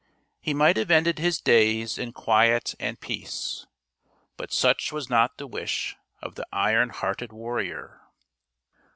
He might have ended his days in quiet and peace, but such was not the wish of the iron hearted warrior.